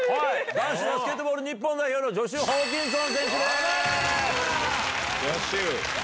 男子バスケットボール日本代表のジョシュ・ホーキンソン選手ジョシュ。